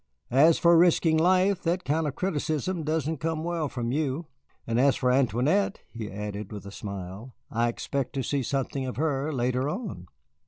"As for risking life, that kind of criticism doesn't come well from you. And as for Antoinette," he added with a smile, "I expect to see something of her later on."